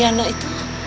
ya tapi aku mau